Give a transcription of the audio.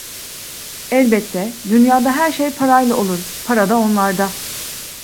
Elbette, dünyada her şey parayla olur, para da onlarda…